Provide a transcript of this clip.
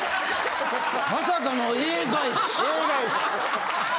まさかの「え」返し。